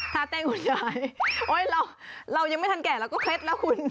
ถ้าเต้นคุณยายเรายังไม่ทันแก่เราก็เคล็ดแล้วคุณ